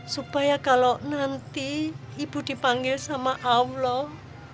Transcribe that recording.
supaya kalau nanti ibu dipanggil sama allah